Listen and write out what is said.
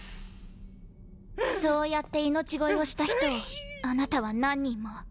そうやって命乞いをした人をあなたは何人も。